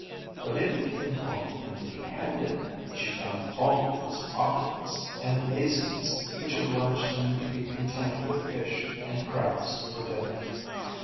But if he came home empty handed, she found fault with his awkwardness and laziness, which obliged them to be content with fish and crabs for dinner.